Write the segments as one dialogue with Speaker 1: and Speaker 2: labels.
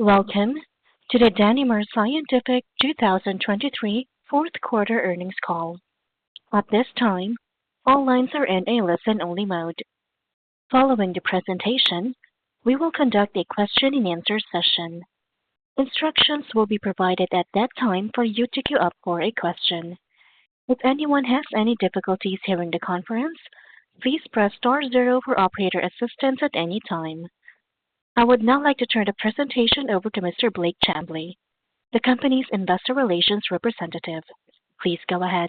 Speaker 1: Welcome to the Danimer Scientific 2023 fourth quarter earnings call. At this time, all lines are in a listen-only mode. Following the presentation, we will conduct a question-and-answer session. Instructions will be provided at that time for you to queue up for a question. If anyone has any difficulties hearing the conference, please press star zero for operator assistance at any time. I would now like to turn the presentation over to Mr. Blake Chamblee, the company's investor relations representative. Please go ahead.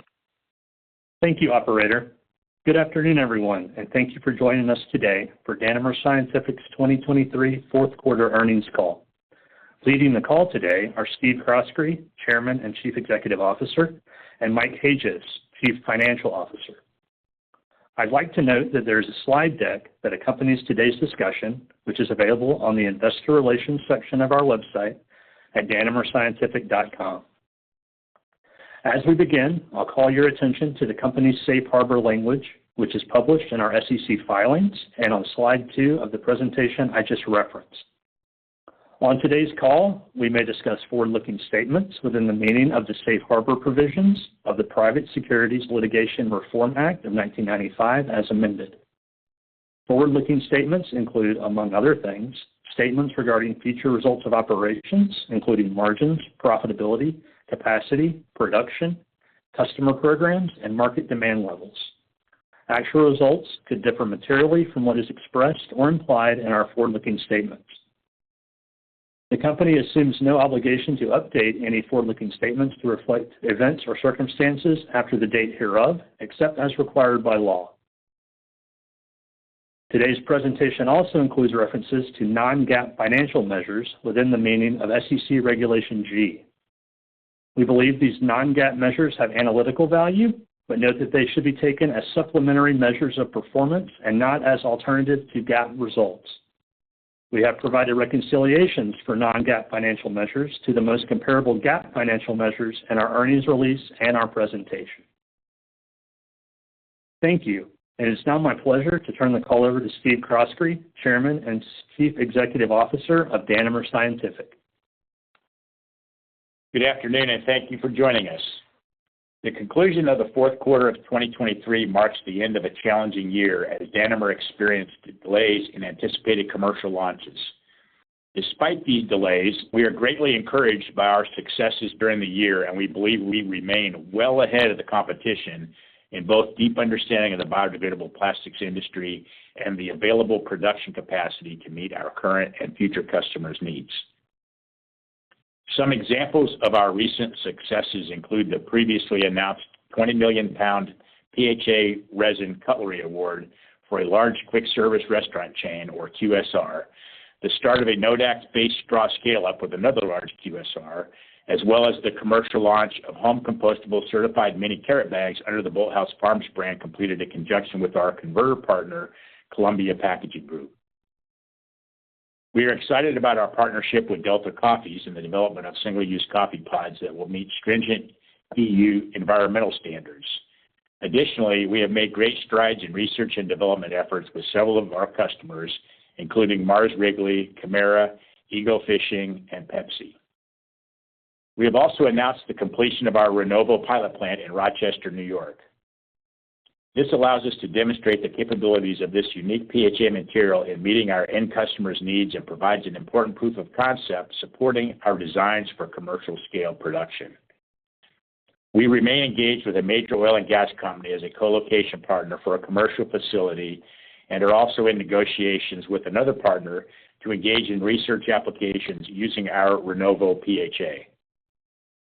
Speaker 2: Thank you, operator. Good afternoon, everyone, and thank you for joining us today for Danimer Scientific's 2023 fourth quarter earnings call. Leading the call today are Steve Croskrey, Chairman and Chief Executive Officer, and Mike Hajost, Chief Financial Officer. I'd like to note that there is a slide deck that accompanies today's discussion, which is available on the investor relations section of our website at danimerscientific.com. As we begin, I'll call your attention to the company's Safe Harbor language, which is published in our SEC filings and on slide 2 of the presentation I just referenced. On today's call, we may discuss forward-looking statements within the meaning of the Safe Harbor provisions of the Private Securities Litigation Reform Act of 1995, as amended. Forward-looking statements include, among other things, statements regarding future results of operations, including margins, profitability, capacity, production, customer programs, and market demand levels. Actual results could differ materially from what is expressed or implied in our forward-looking statements. The company assumes no obligation to update any forward-looking statements to reflect events or circumstances after the date hereof, except as required by law. Today's presentation also includes references to non-GAAP financial measures within the meaning of SEC Regulation G. We believe these non-GAAP measures have analytical value, but note that they should be taken as supplementary measures of performance and not as alternative to GAAP results. We have provided reconciliations for non-GAAP financial measures to the most comparable GAAP financial measures in our earnings release and our presentation. Thank you, and it's now my pleasure to turn the call over to Steve Croskrey, Chairman and Chief Executive Officer of Danimer Scientific.
Speaker 3: Good afternoon, and thank you for joining us. The conclusion of the fourth quarter of 2023 marks the end of a challenging year as Danimer experienced delays in anticipated commercial launches. Despite these delays, we are greatly encouraged by our successes during the year, and we believe we remain well ahead of the competition in both deep understanding of the biodegradable plastics industry and the available production capacity to meet our current and future customers' needs. Some examples of our recent successes include the previously announced 20 million pound PHA resin cutlery award for a large quick service restaurant chain, or QSR, the start of a Nodax-based straw scale-up with another large QSR, as well as the commercial launch of home compostable certified mini carrot bags under the Bolthouse Farms brand, completed in conjunction with our converter partner, Columbia Packaging Group. We are excited about our partnership with Delta Cafés in the development of single-use coffee pods that will meet stringent EU environmental standards. Additionally, we have made great strides in research and development efforts with several of our customers, including Mars Wrigley, Kemira, Eagle Claw, and Pepsi. We have also announced the completion of our Rinnovo pilot plant in Rochester, New York. This allows us to demonstrate the capabilities of this unique PHA material in meeting our end customers' needs and provides an important proof of concept supporting our designs for commercial scale production. We remain engaged with a major oil and gas company as a co-location partner for a commercial facility and are also in negotiations with another partner to engage in research applications using our Rinnovo PHA.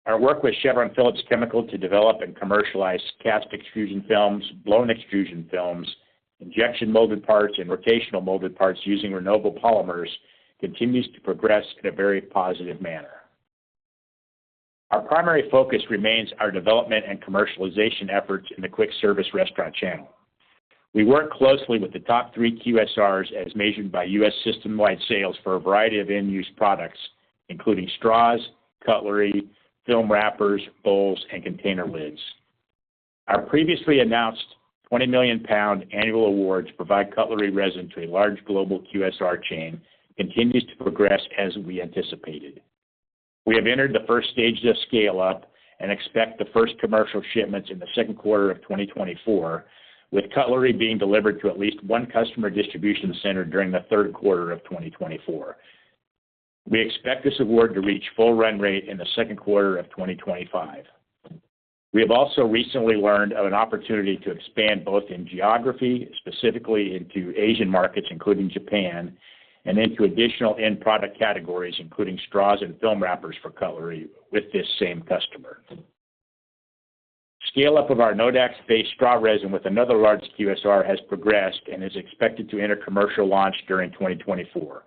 Speaker 3: Our work with Chevron Phillips Chemical to develop and commercialize cast extrusion films, blown extrusion films, injection molded parts, and rotational molded parts using Rinnovo polymers continues to progress in a very positive manner. Our primary focus remains our development and commercialization efforts in the quick service restaurant channel. We work closely with the top three QSRs, as measured by U.S. system-wide sales, for a variety of end-use products, including straws, cutlery, film wrappers, bowls, and container lids. Our previously announced 20 million pound annual award to provide cutlery resin to a large global QSR chain continues to progress as we anticipated. We have entered the first stage of scale-up and expect the first commercial shipments in the second quarter of 2024, with cutlery being delivered to at least one customer distribution center during the third quarter of 2024. We expect this award to reach full run rate in the second quarter of 2025. We have also recently learned of an opportunity to expand both in geography, specifically into Asian markets, including Japan, and into additional end product categories, including straws and film wrappers for cutlery with this same customer. Scale-up of our Nodax-based straw resin with another large QSR has progressed and is expected to enter commercial launch during 2024.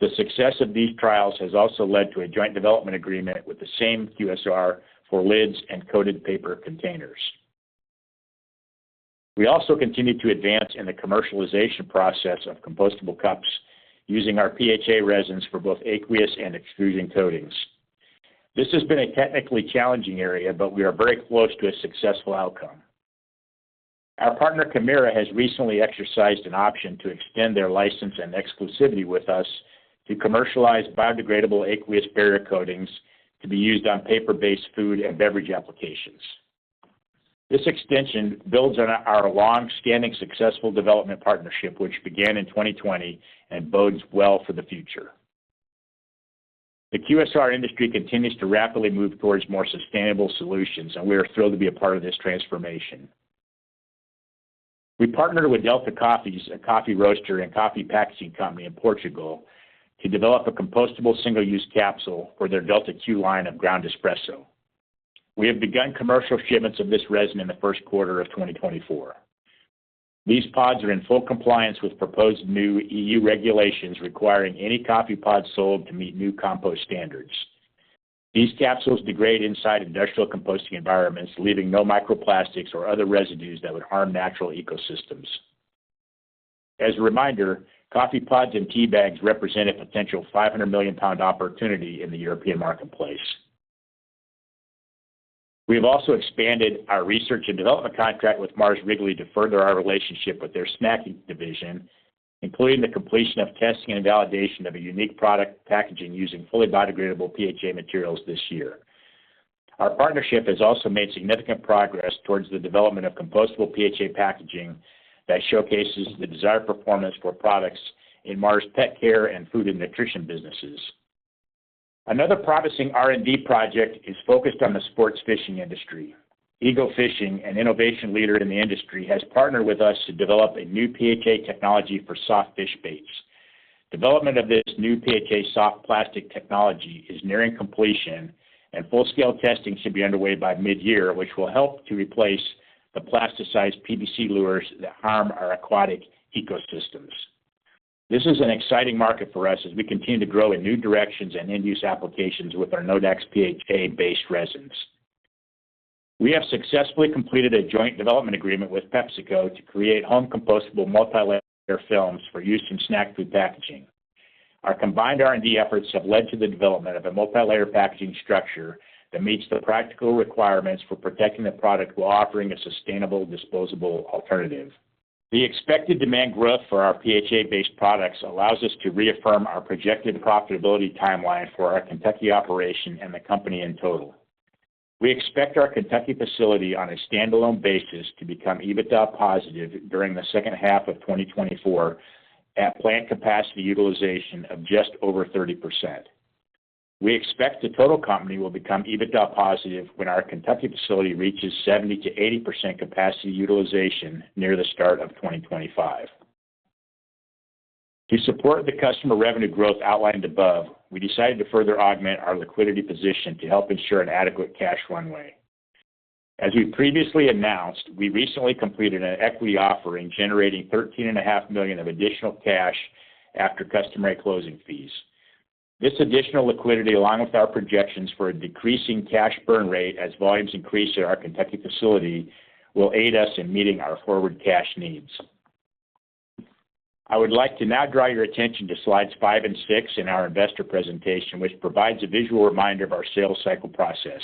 Speaker 3: The success of these trials has also led to a joint development agreement with the same QSR for lids and coated paper containers. We also continue to advance in the commercialization process of compostable cups using our PHA resins for both aqueous and extrusion coatings. This has been a technically challenging area, but we are very close to a successful outcome.... Our partner, Kemira, has recently exercised an option to extend their license and exclusivity with us to commercialize biodegradable aqueous barrier coatings to be used on paper-based food and beverage applications. This extension builds on our long-standing successful development partnership, which began in 2020, and bodes well for the future. The QSR industry continues to rapidly move towards more sustainable solutions, and we are thrilled to be a part of this transformation. We partnered with Delta Cafés, a coffee roaster and coffee packaging company in Portugal, to develop a compostable single-use capsule for their Delta Q line of ground espresso. We have begun commercial shipments of this resin in the first quarter of 2024. These pods are in full compliance with proposed new EU regulations, requiring any coffee pod sold to meet new compost standards. These capsules degrade inside industrial composting environments, leaving no microplastics or other residues that would harm natural ecosystems. As a reminder, coffee pods and tea bags represent a potential 500 million pound opportunity in the European marketplace. We have also expanded our research and development contract with Mars Wrigley to further our relationship with their snacking division, including the completion of testing and validation of a unique product packaging using fully biodegradable PHA materials this year. Our partnership has also made significant progress towards the development of compostable PHA packaging that showcases the desired performance for products in Mars Petcare and Food and Nutrition businesses. Another promising R&D project is focused on the sports fishing industry. Eagle Claw, an innovation leader in the industry, has partnered with us to develop a new PHA technology for soft fish baits. Development of this new PHA soft plastic technology is nearing completion, and full-scale testing should be underway by mid-year, which will help to replace the plasticized PVC lures that harm our aquatic ecosystems. This is an exciting market for us as we continue to grow in new directions and end-use applications with our Nodax PHA-based resins. We have successfully completed a joint development agreement with PepsiCo to create home-compostable multilayer films for use in snack food packaging. Our combined R&D efforts have led to the development of a multilayer packaging structure that meets the practical requirements for protecting the product while offering a sustainable, disposable alternative. The expected demand growth for our PHA-based products allows us to reaffirm our projected profitability timeline for our Kentucky operation and the company in total. We expect our Kentucky facility, on a standalone basis, to become EBITDA positive during the second half of 2024 at plant capacity utilization of just over 30%. We expect the total company will become EBITDA positive when our Kentucky facility reaches 70%-80% capacity utilization near the start of 2025. To support the customer revenue growth outlined above, we decided to further augment our liquidity position to help ensure an adequate cash runway. As we previously announced, we recently completed an equity offering, generating $13.5 million of additional cash after customary closing fees. This additional liquidity, along with our projections for a decreasing cash burn rate as volumes increase at our Kentucky facility, will aid us in meeting our forward cash needs. I would like to now draw your attention to slides 5 and 6 in our investor presentation, which provides a visual reminder of our sales cycle process.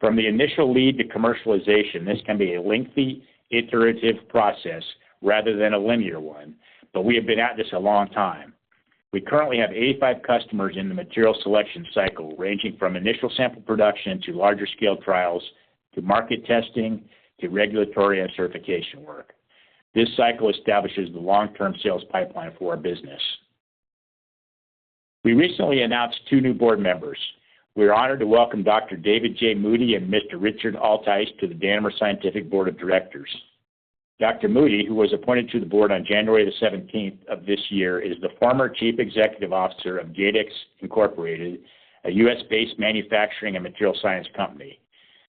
Speaker 3: From the initial lead to commercialization, this can be a lengthy, iterative process rather than a linear one, but we have been at this a long time. We currently have 85 customers in the material selection cycle, ranging from initial sample production to larger scale trials, to market testing, to regulatory and certification work. This cycle establishes the long-term sales pipeline for our business. We recently announced two new board members. We are honored to welcome Dr. David J. Moody and Mr. Richard Altice to the Danimer Scientific Board of Directors. Dr. Moody, who was appointed to the board on January 17th of this year, is the former Chief Executive Officer of Jadex Incorporated, a U.S.-based manufacturing and materials science company.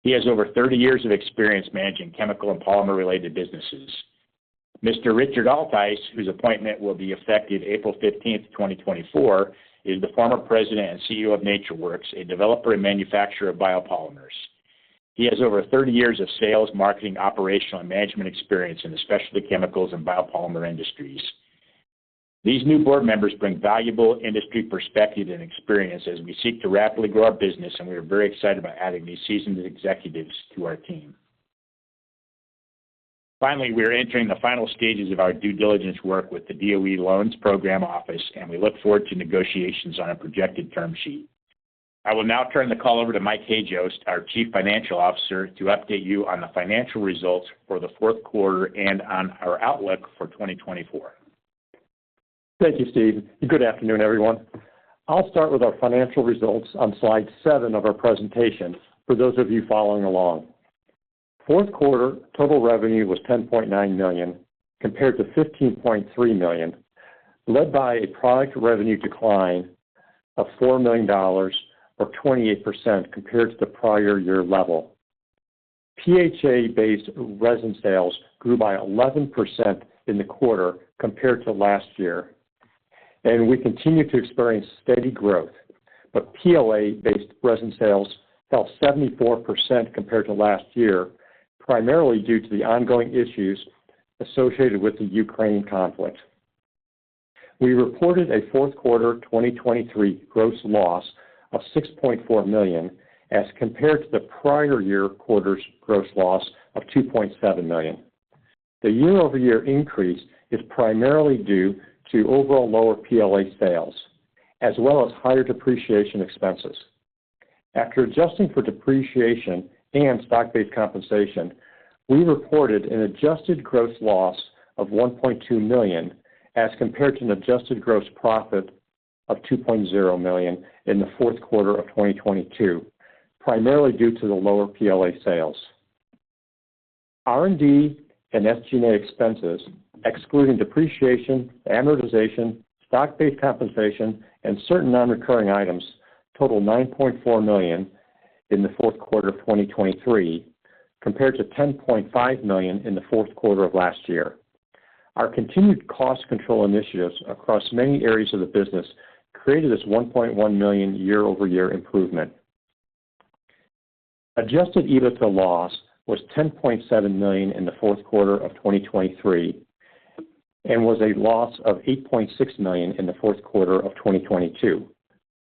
Speaker 3: He has over 30 years of experience managing chemical and polymer-related businesses. Mr. Richard Altice, whose appointment will be effective April fifteenth, 2024, is the former president and CEO of NatureWorks, a developer and manufacturer of biopolymers. He has over 30 years of sales, marketing, operational, and management experience in the specialty chemicals and biopolymer industries. These new board members bring valuable industry perspective and experience as we seek to rapidly grow our business, and we are very excited about adding these seasoned executives to our team. Finally, we are entering the final stages of our due diligence work with the DOE Loans Program Office, and we look forward to negotiations on a projected term sheet. I will now turn the call over to Mike Hajost, our Chief Financial Officer, to update you on the financial results for the fourth quarter and on our outlook for 2024.
Speaker 4: Thank you, Steve. Good afternoon, everyone. I'll start with our financial results on slide 7 of our presentation, for those of you following along. Fourth quarter total revenue was $10.9 million, compared to $15.3 million, led by a product revenue decline of $4 million or 28% compared to the prior year level. PHA-based resin sales grew by 11% in the quarter compared to last year, and we continue to experience steady growth. But PLA-based resin sales fell 74% compared to last year, primarily due to the ongoing issues associated with the Ukraine conflict. We reported a fourth quarter 2023 gross loss of $6.4 million, as compared to the prior year quarter's gross loss of $2.7 million. The year-over-year increase is primarily due to overall lower PLA sales, as well as higher depreciation expenses. After adjusting for depreciation and stock-based compensation, we reported an adjusted gross loss of $1.2 million, as compared to an adjusted gross profit of $2.0 million in the fourth quarter of 2022, primarily due to the lower PLA sales. R&D and SG&A expenses, excluding depreciation, amortization, stock-based compensation, and certain non-recurring items, totaled $9.4 million in the fourth quarter of 2023, compared to $10.5 million in the fourth quarter of last year. Our continued cost control initiatives across many areas of the business created this $1.1 million year-over-year improvement. Adjusted EBITDA loss was $10.7 million in the fourth quarter of 2023, and was a loss of $8.6 million in the fourth quarter of 2022.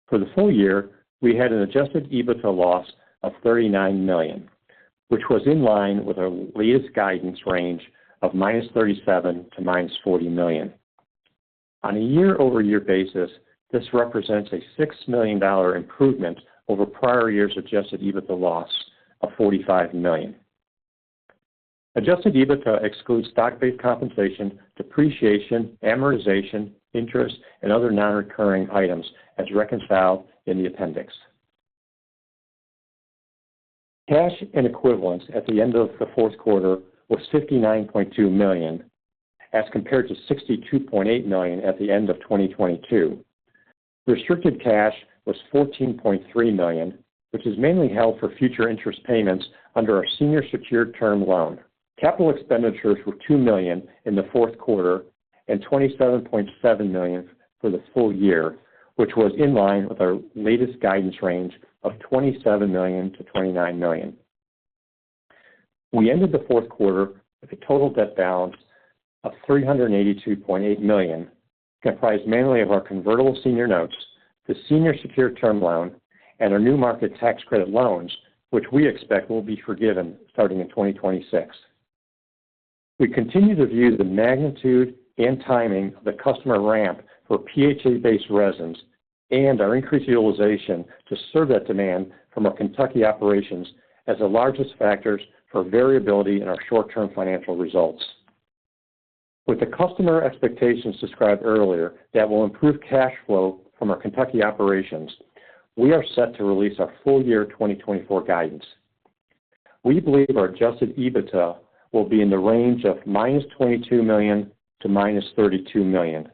Speaker 4: For the full year, we had an Adjusted EBITDA loss of $39 million, which was in line with our latest guidance range of -$37 million to -$40 million. On a year-over-year basis, this represents a $6 million improvement over prior year's Adjusted EBITDA loss of $45 million. Adjusted EBITDA excludes stock-based compensation, depreciation, amortization, interest, and other non-recurring items, as reconciled in the appendix. Cash and equivalents at the end of the fourth quarter was $59.2 million, as compared to $62.8 million at the end of 2022. Restricted cash was $14.3 million, which is mainly held for future interest payments under our senior secured term loan. Capital expenditures were $2 million in the fourth quarter and $27.7 million for the full year, which was in line with our latest guidance range of $27 million-$29 million. We ended the fourth quarter with a total debt balance of $382.8 million, comprised mainly of our convertible senior notes, the senior secured term loan, and our new market tax credit loans, which we expect will be forgiven starting in 2026. We continue to view the magnitude and timing of the customer ramp for PHA-based resins and our increased utilization to serve that demand from our Kentucky operations as the largest factors for variability in our short-term financial results. With the customer expectations described earlier that will improve cash flow from our Kentucky operations, we are set to release our full year 2024 guidance. We believe our Adjusted EBITDA will be in the range of -$22 million-$32 million.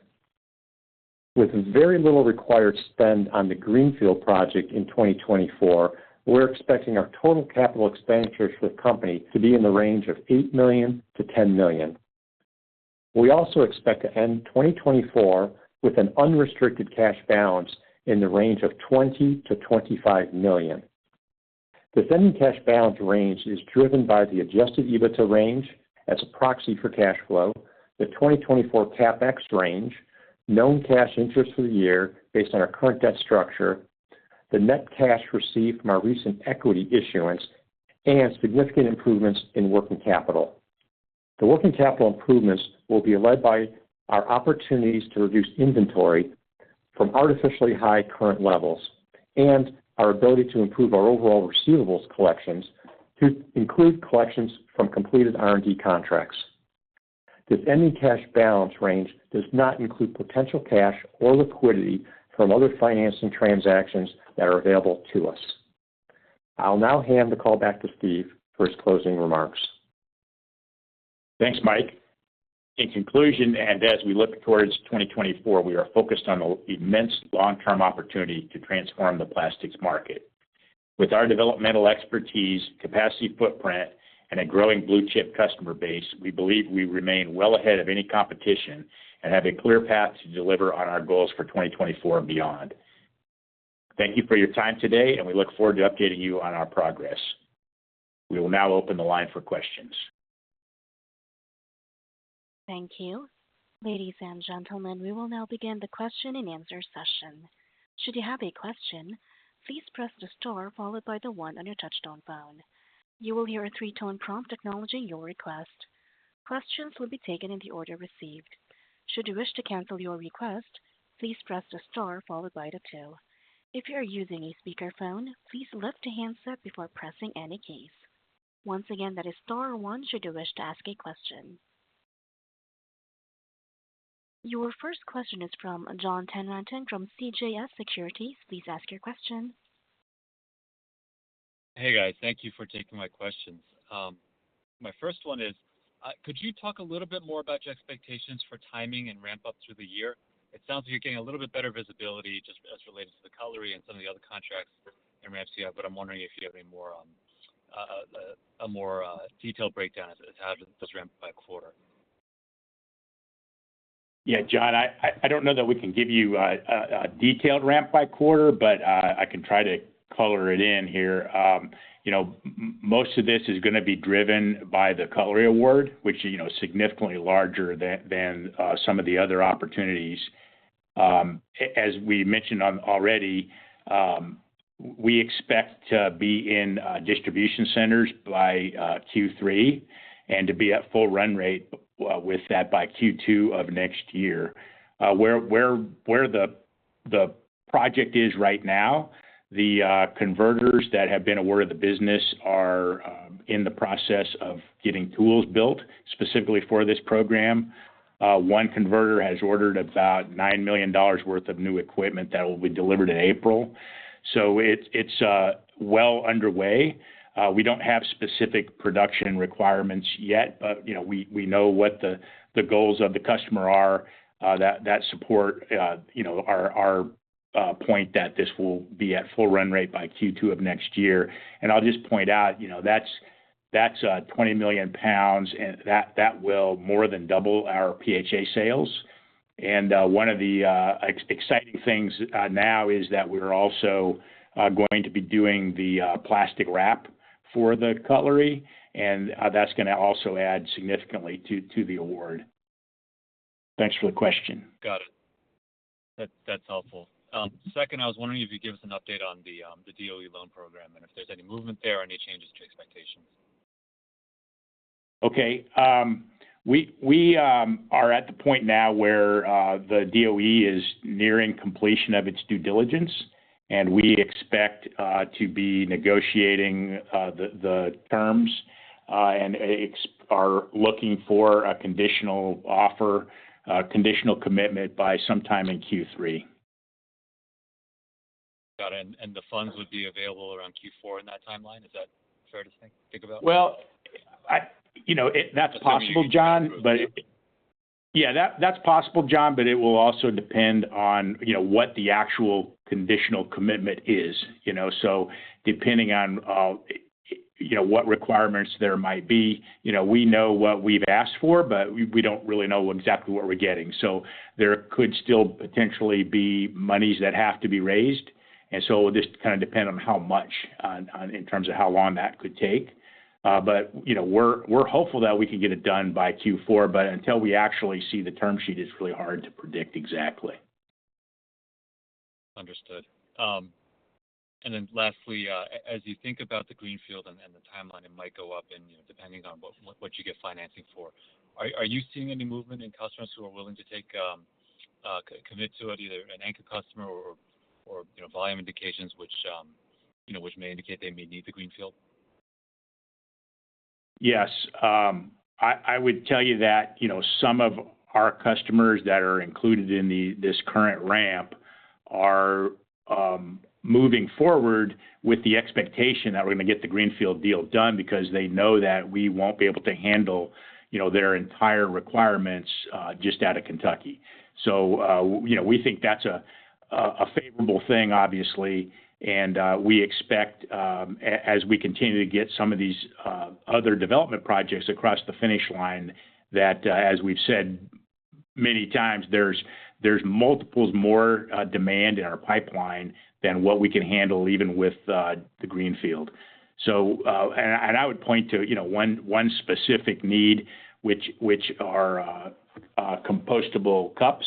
Speaker 4: With very little required spend on the Greenfield project in 2024, we're expecting our total capital expenditures for the company to be in the range of $8 million-$10 million. We also expect to end 2024 with an unrestricted cash balance in the range of $20 million-$25 million. This ending cash balance range is driven by the Adjusted EBITDA range as a proxy for cash flow, the 2024 CapEx range, known cash interest for the year based on our current debt structure, the net cash received from our recent equity issuance, and significant improvements in working capital. The working capital improvements will be led by our opportunities to reduce inventory from artificially high current levels and our ability to improve our overall receivables collections, to include collections from completed R&D contracts. This ending cash balance range does not include potential cash or liquidity from other financing transactions that are available to us. I'll now hand the call back to Steve for his closing remarks.
Speaker 3: Thanks, Mike. In conclusion, and as we look towards 2024, we are focused on the immense long-term opportunity to transform the plastics market. With our developmental expertise, capacity footprint, and a growing blue-chip customer base, we believe we remain well ahead of any competition and have a clear path to deliver on our goals for 2024 and beyond. Thank you for your time today, and we look forward to updating you on our progress. We will now open the line for questions.
Speaker 1: Thank you. Ladies and gentlemen, we will now begin the question-and-answer session. Should you have a question, please press the star followed by the one on your touchtone phone. You will hear a three-tone prompt acknowledging your request. Questions will be taken in the order received. Should you wish to cancel your request, please press the star followed by the two. If you are using a speakerphone, please lift the handset before pressing any keys. Once again, that is star one should you wish to ask a question. Your first question is from John Tanwanteng from CJS Securities. Please ask your question.
Speaker 5: Hey, guys. Thank you for taking my questions. My first one is, could you talk a little bit more about your expectations for timing and ramp-up through the year? It sounds like you're getting a little bit better visibility, just as related to the cutlery and some of the other contracts that MSC have, but I'm wondering if you have a more detailed breakdown as to how this ramp by quarter.
Speaker 3: Yeah, John, I don't know that we can give you a detailed ramp by quarter, but I can try to color it in here. You know, most of this is gonna be driven by the cutlery award, which is, you know, significantly larger than some of the other opportunities. As we mentioned already, we expect to be in distribution centers by Q3, and to be at full run rate with that by Q2 of next year. Where the project is right now, the converters that have been awarded the business are in the process of getting tools built specifically for this program. One converter has ordered about $9 million worth of new equipment that will be delivered in April. So it's well underway. We don't have specific production requirements yet, but, you know, we know what the goals of the customer are, that support you know, our point that this will be at full run rate by Q2 of next year. I'll just point out, you know, that's 20 million pounds, and that will more than double our PHA sales. One of the exciting things now is that we're also going to be doing the plastic wrap for the cutlery, and that's gonna also add significantly to the award. Thanks for the question.
Speaker 5: Got it. That, that's helpful. Second, I was wondering if you could give us an update on the DOE loan program and if there's any movement there or any changes to expectations.
Speaker 3: Okay. We are at the point now where the DOE is nearing completion of its due diligence, and we expect to be negotiating the terms and are looking for a conditional offer, conditional commitment by sometime in Q3.
Speaker 5: Got it, and the funds would be available around Q4 in that timeline? Is that fair to think about?
Speaker 3: Well, you know, that's possible, John. But, yeah, that's possible, John, but it will also depend on, you know, what the actual conditional commitment is, you know? So depending on, you know, what requirements there might be, you know, we know what we've asked for, but we, we don't really know exactly what we're getting. So there could still potentially be monies that have to be raised, and so it will just kind of depend on how much, on in terms of how long that could take. But, you know, we're, we're hopeful that we can get it done by Q4, but until we actually see the term sheet, it's really hard to predict exactly.
Speaker 5: Understood. And then lastly, as you think about the Greenfield and the timeline, it might go up and, you know, depending on what you get financing for. Are you seeing any movement in customers who are willing to commit to it, either an anchor customer or, you know, volume indications, which, you know, which may indicate they may need the Greenfield?
Speaker 3: Yes. I would tell you that, you know, some of our customers that are included in the, this current ramp are moving forward with the expectation that we're gonna get the Greenfield deal done because they know that we won't be able to handle, you know, their entire requirements just out of Kentucky. So, you know, we think that's a favorable thing, obviously. And we expect, as we continue to get some of these other development projects across the finish line, that, as we've said many times, there's multiples more demand in our pipeline than what we can handle, even with the Greenfield. So, and I would point to, you know, one specific need, which are compostable cups,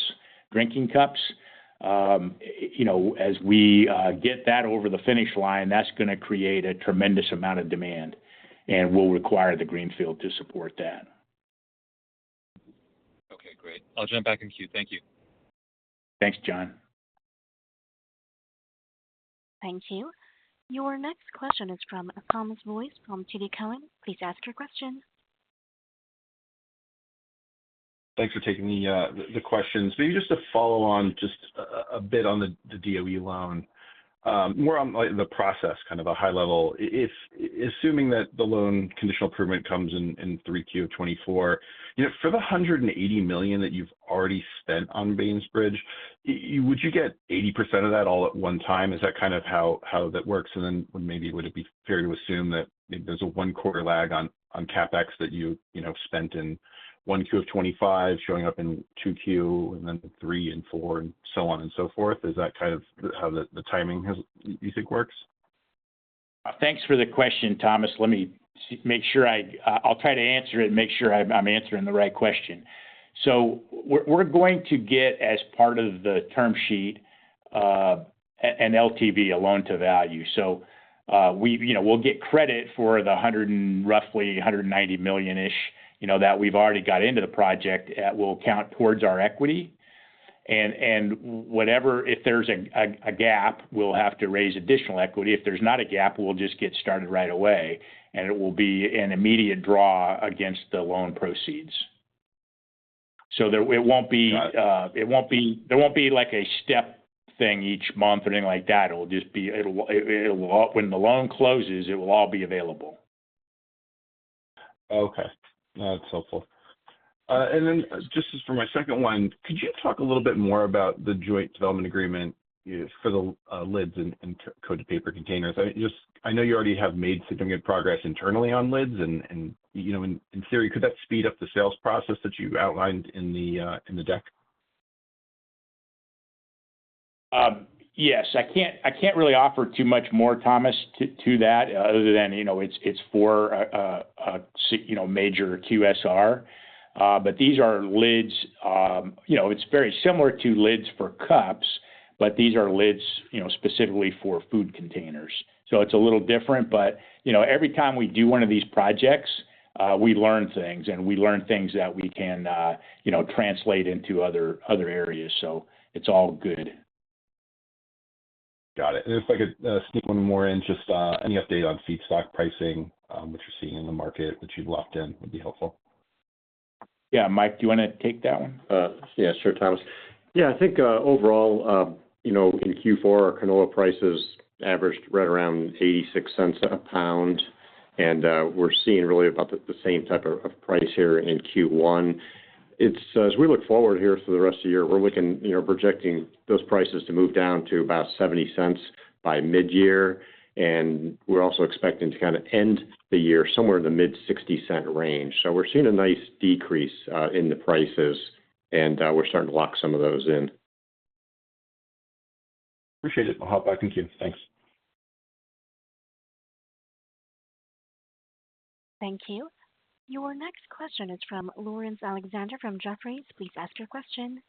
Speaker 3: drinking cups. You know, as we get that over the finish line, that's gonna create a tremendous amount of demand and will require the Greenfield to support that.
Speaker 5: Okay, great. I'll jump back in queue. Thank you.
Speaker 3: Thanks, John.
Speaker 1: Thank you. Your next question is from Thomas Boyes from TD Cowen. Please ask your question.
Speaker 6: Thanks for taking the questions. Maybe just to follow on, just a bit on the DOE loan. More on, like, the process, kind of a high level. If assuming that the loan conditional commitment comes in, in 3Q of 2024, you know, for the $180 million that you've already spent on Bainbridge, would you get 80% of that all at one time? Is that kind of how that works? And then maybe would it be fair to assume that there's a one quarter lag on CapEx that you, you know, spent in 1Q of 2025, showing up in 2Q and then 3Q and 4Q and so on and so forth? Is that kind of the how the timing has, you think works?
Speaker 3: Thanks for the question, Thomas. Let me make sure I... I'll try to answer it and make sure I'm answering the right question. So we're going to get, as part of the term sheet, an LTV, a loan to value. So, we, you know, we'll get credit for the $100 million and roughly $190 million-ish, you know, that we've already got into the project. We'll count towards our equity, and whatever—if there's a gap, we'll have to raise additional equity. If there's not a gap, we'll just get started right away, and it will be an immediate draw against the loan proceeds. So there—it won't be-
Speaker 6: Got it.
Speaker 3: There won't be like a step thing each month or anything like that. It'll just be. It will all be available when the loan closes.
Speaker 6: Okay. That's helpful. And then just as for my second one, could you talk a little bit more about the joint development agreement for the lids and coated paper containers? I just, I know you already have made significant progress internally on lids and, you know, in theory, could that speed up the sales process that you outlined in the deck?
Speaker 3: Yes, I can't really offer too much more, Thomas, to that, other than, you know, it's for, you know, a major QSR. But these are lids, you know, it's very similar to lids for cups, but these are lids, you know, specifically for food containers. So it's a little different but, you know, every time we do one of these projects, we learn things, and we learn things that we can, you know, translate into other areas, so it's all good.
Speaker 6: Got it. And if I could, sneak one more in, just, any update on feedstock pricing, which you're seeing in the market, which you've locked in, would be helpful.
Speaker 3: Yeah. Mike, do you wanna take that one?
Speaker 4: Yeah, sure, Thomas. Yeah, I think, overall, you know, in Q4, canola prices averaged right around $0.86 a pound, and we're seeing really about the same type of price here in Q1. It's as we look forward here for the rest of the year, we're looking, you know, projecting those prices to move down to about $0.70 by midyear, and we're also expecting to kind of end the year somewhere in the mid-60-cent range. So we're seeing a nice decrease in the prices, and we're starting to lock some of those in.
Speaker 6: Appreciate it. I'll hop back. Thank you. Thanks.
Speaker 1: Thank you. Your next question is from Laurence Alexander from Jefferies. Please ask your question.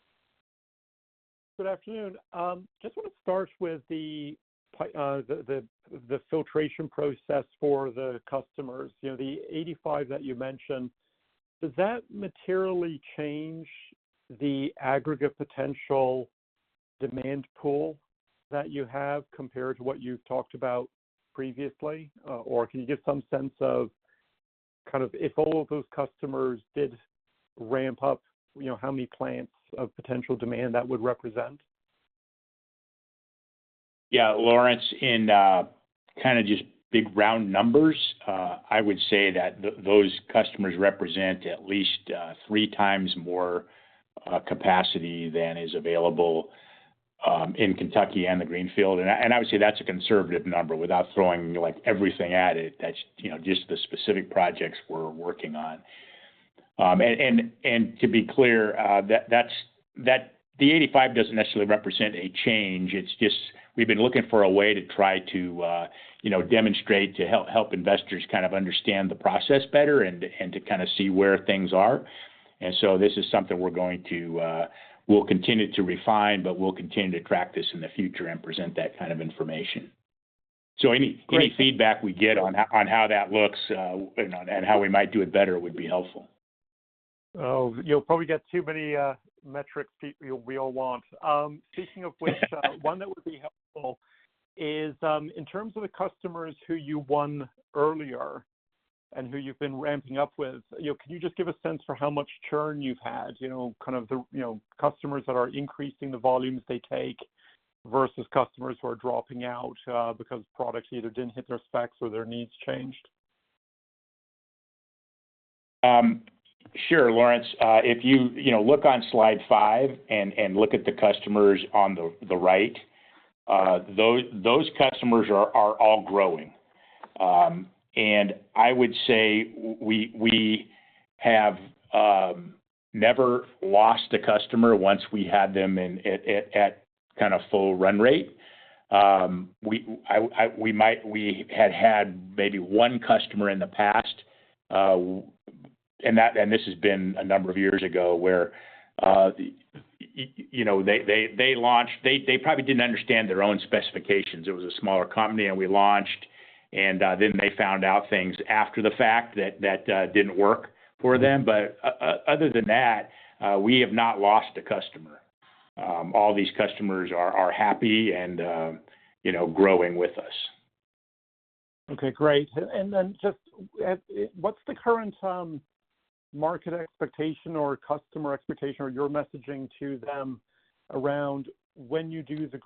Speaker 7: Good afternoon. Just want to start with the filtration process for the customers. You know, the 85 that you mentioned, does that materially change the aggregate potential demand pool that you have, compared to what you've talked about previously? Or can you give some sense of kind of if all of those customers did ramp up, you know, how many plants of potential demand that would represent?
Speaker 3: Yeah, Laurence, in kind of just big round numbers, I would say that those customers represent at least three times more capacity than is available in Kentucky and the Greenfield. And I, and obviously, that's a conservative number, without throwing, like, everything at it. That's, you know, just the specific projects we're working on. And, and, and to be clear, that the 85 doesn't necessarily represent a change. It's just we've been looking for a way to try to, you know, demonstrate, to help, help investors kind of understand the process better and, and to kind of see where things are. And so this is something we're going to, we'll continue to refine, but we'll continue to track this in the future and present that kind of information. Any feedback we get on how that looks and on how we might do it better would be helpful.
Speaker 7: Oh, you'll probably get too many metrics we all want. Speaking of which, one that would be helpful is, in terms of the customers who you won earlier and who you've been ramping up with, you know, can you just give a sense for how much churn you've had? You know, kind of the, you know, customers that are increasing the volumes they take versus customers who are dropping out, because products either didn't hit their specs or their needs changed.
Speaker 3: Sure, Laurence. If you, you know, look on slide five and look at the customers on the right, those customers are all growing. And I would say we have never lost a customer once we had them in at kind of full run rate. We might—we had had maybe one customer in the past, and that, this has been a number of years ago, where you know, they launched—they probably didn't understand their own specifications. It was a smaller company, and we launched, and then they found out things after the fact that didn't work for them. But other than that, we have not lost a customer. All these customers are happy and, you know, growing with us.
Speaker 7: Okay, great. And then just at, what's the current, market expectation or customer expectation or your messaging to them around when you do the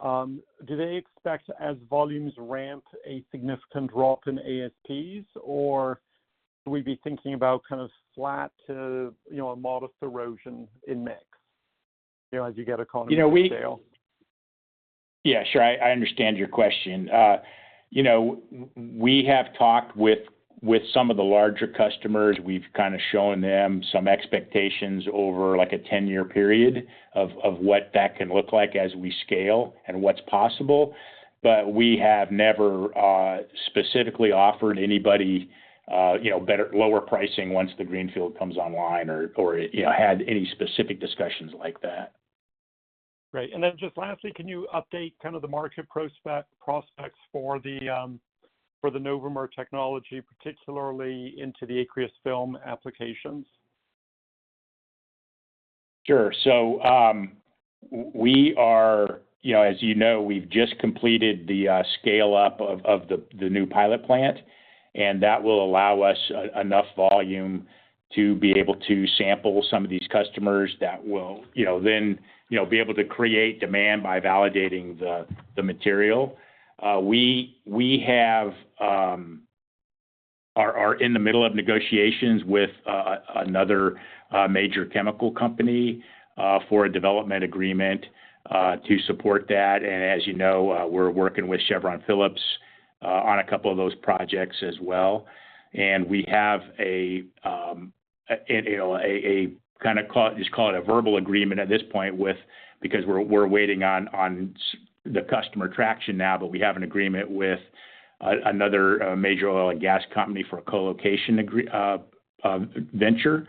Speaker 7: Greenfield, do they expect, as volumes ramp, a significant drop in ASPs? Or do we be thinking about kind of flat to, you know, a modest erosion in mix, you know, as you get economies of scale?
Speaker 3: You know, yeah, sure. I understand your question. You know, we have talked with some of the larger customers. We've kind of shown them some expectations over, like, a 10-year period of what that can look like as we scale and what's possible. But we have never specifically offered anybody, you know, better lower pricing once the Greenfield comes online or, you know, had any specific discussions like that.
Speaker 7: Great. And then just lastly, can you update kind of the market prospects for the Novomer technology, particularly into the aqueous film applications?
Speaker 3: Sure. So, we are. You know, as you know, we've just completed the scale-up of the new pilot plant, and that will allow us enough volume to be able to sample some of these customers that will, you know, then, you know, be able to create demand by validating the material. We are in the middle of negotiations with another major chemical company for a development agreement to support that. And as you know, we're working with Chevron Phillips on a couple of those projects as well. And we have a kind of, just call it a verbal agreement at this point with, because we're waiting on the customer traction now. But we have an agreement with another major oil and gas company for a co-location agree venture.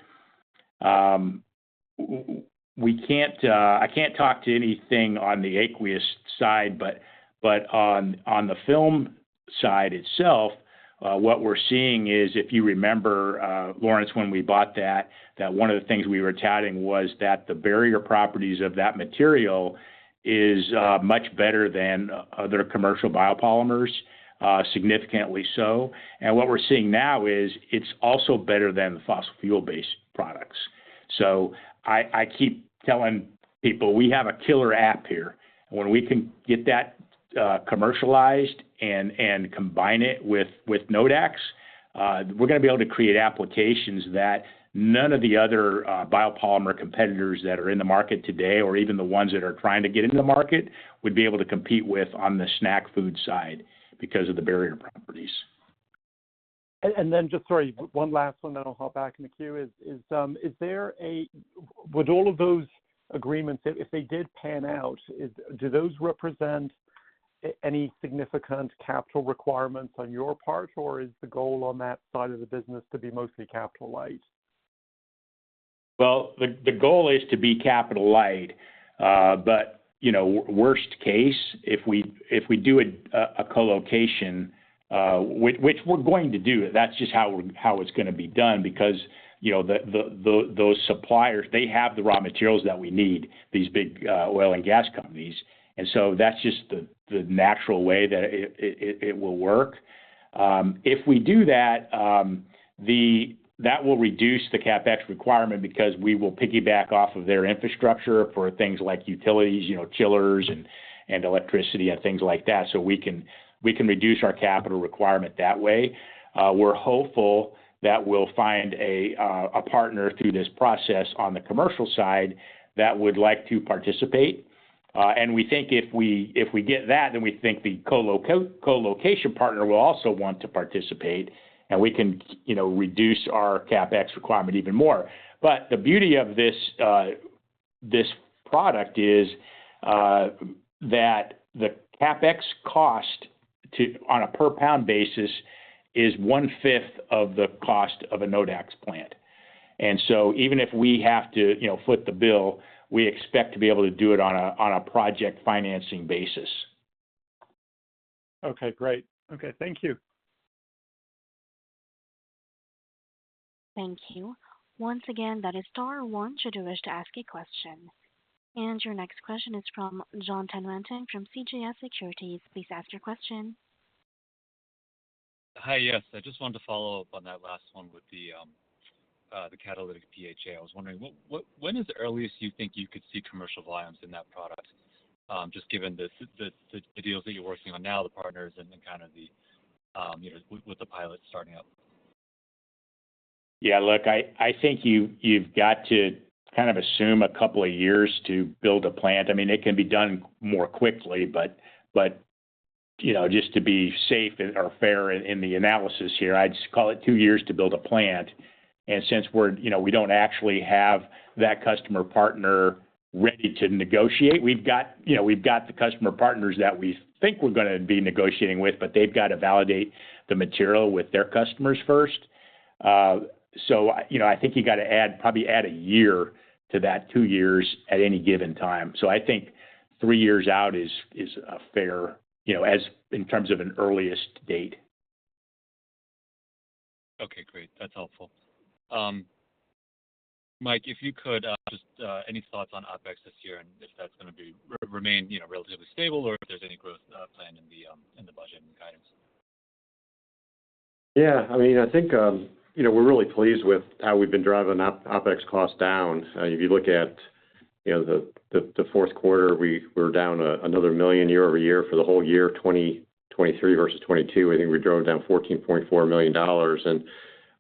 Speaker 3: We can't, I can't talk to anything on the aqueous side, but on the film side itself, what we're seeing is, if you remember, Laurence, when we bought that, one of the things we were touting was that the barrier properties of that material is much better than other commercial biopolymers, significantly so. And what we're seeing now is it's also better than the fossil fuel-based products. So I, I keep telling people, we have a killer app here, and when we can get that, commercialized and, and combine it with, with Nodax, we're gonna be able to create applications that none of the other, biopolymer competitors that are in the market today, or even the ones that are trying to get into the market, would be able to compete with on the snack food side because of the barrier properties.
Speaker 7: Then just sorry, one last one, then I'll hop back in the queue. Is there a--would all of those agreements, if they did pan out, do those represent any significant capital requirements on your part, or is the goal on that side of the business to be mostly capital light?
Speaker 3: Well, the goal is to be capital light. But, you know, worst case, if we do a co-location, which we're going to do, that's just how it's gonna be done, because, you know, the, those suppliers, they have the raw materials that we need, these big oil and gas companies. And so that's just the natural way that it will work. If we do that, that will reduce the CapEx requirement because we will piggyback off of their infrastructure for things like utilities, you know, chillers and electricity and things like that. So we can reduce our capital requirement that way. We're hopeful that we'll find a partner through this process on the commercial side that would like to participate. And we think if we, if we get that, then we think the co-location partner will also want to participate, and we can, you know, reduce our CapEx requirement even more. But the beauty of this, this product is that the CapEx cost, on a per pound basis, is one-fifth of the cost of a Nodax plant. And so even if we have to, you know, foot the bill, we expect to be able to do it on a, on a project financing basis.
Speaker 7: Okay, great. Okay, thank you.
Speaker 1: Thank you. Once again, that is star one, should you wish to ask a question. Your next question is from John Tanwanteng, from CJS Securities. Please ask your question.
Speaker 5: Hi. Yes, I just wanted to follow up on that last one with the catalytic PHA. I was wondering, when is the earliest you think you could see commercial volumes in that product? Just given the deals that you're working on now, the partners, and then kind of the, you know, with the pilots starting up.
Speaker 3: Yeah, look, I, I think you've, you've got to kind of assume a couple of years to build a plant. I mean, it can be done more quickly, but, but, you know, just to be safe or fair in, in the analysis here, I'd just call it 2 years to build a plant. And since we're, you know, we don't actually have that customer partner ready to negotiate, we've got, you know, we've got the customer partners that we think we're gonna be negotiating with, but they've got to validate the material with their customers first. So, you know, I think you got to add, probably add a year to that 2 years at any given time. So I think 3 years out is, is a fair, you know, as in terms of an earliest date.
Speaker 5: Okay, great. That's helpful. Mike, if you could just any thoughts on OpEx this year and if that's gonna be remain, you know, relatively stable, or if there's any growth planned in the budget and guidance?
Speaker 4: Yeah, I mean, I think, you know, we're really pleased with how we've been driving OpEx costs down. If you look at, you know, the, the, the fourth quarter, we're down another $1 million year-over-year. For the whole year, 2023 versus 2022, I think we drove down $14.4 million, and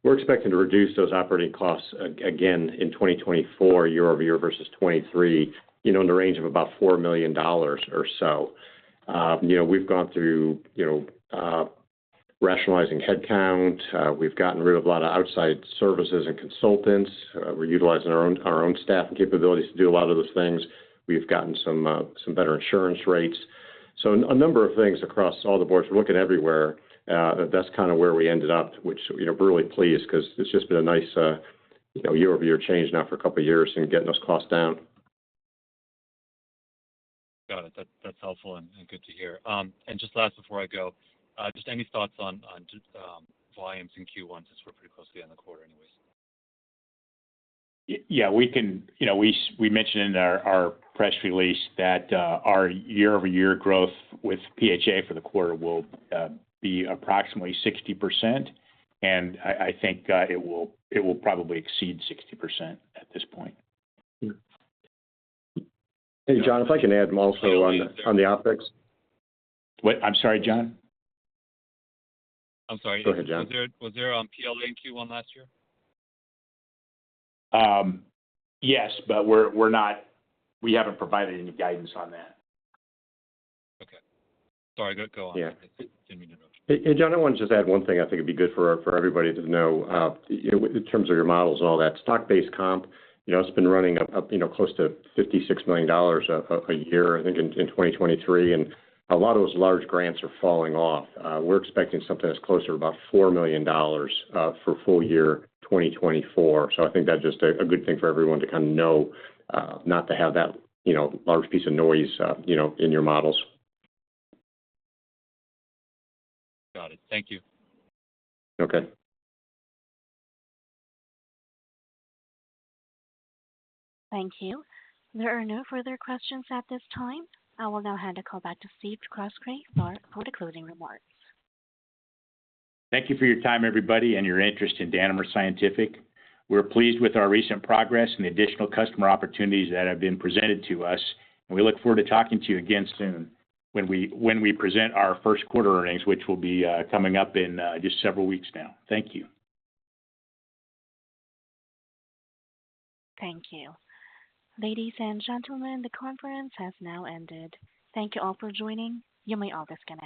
Speaker 4: we're expecting to reduce those operating costs again in 2024, year-over-year versus 2023, you know, in the range of about $4 million or so. You know, we've gone through, you know, rationalizing headcount, we've gotten rid of a lot of outside services and consultants. We're utilizing our own, our own staff and capabilities to do a lot of those things. We've gotten some, some better insurance rates, so a number of things across all the boards. We're looking everywhere, that's kind of where we ended up, which, you know, we're really pleased because it's just been a nice, you know, year-over-year change now for a couple of years and getting those costs down.
Speaker 5: Got it. That's helpful and good to hear. And just last before I go, just any thoughts on volumes in Q1, since we're pretty closely on the quarter anyways?
Speaker 3: Yeah, you know, we mentioned in our press release that our year-over-year growth with PHA for the quarter will be approximately 60%, and I think it will probably exceed 60% at this point.
Speaker 4: Hey, John, if I can add also on the OpEx.
Speaker 3: What? I'm sorry, John.
Speaker 5: I'm sorry.
Speaker 4: Go ahead, John.
Speaker 5: Was there PLA in Q1 last year?
Speaker 3: Yes, but we're not. We haven't provided any guidance on that.
Speaker 5: Okay. Sorry, go, go on.
Speaker 3: Yeah.
Speaker 5: Didn't mean to interrupt you.
Speaker 4: John, I want to just add one thing I think would be good for everybody to know, you know, in terms of your models and all that. Stock-based comp, you know, it's been running up, you know, close to $56 million a year, I think, in 2023, and a lot of those large grants are falling off. We're expecting something that's closer to about $4 million for full year 2024. So I think that's just a good thing for everyone to kind of know, not to have that, you know, large piece of noise, you know, in your models.
Speaker 5: Got it. Thank you.
Speaker 4: Okay.
Speaker 1: Thank you. There are no further questions at this time. I will now hand the call back to Stephen Croskrey for the closing remarks.
Speaker 3: Thank you for your time, everybody, and your interest in Danimer Scientific. We're pleased with our recent progress and the additional customer opportunities that have been presented to us, and we look forward to talking to you again soon when we present our first quarter earnings, which will be coming up in just several weeks now. Thank you.
Speaker 1: Thank you. Ladies and gentlemen, the conference has now ended. Thank you all for joining. You may all disconnect.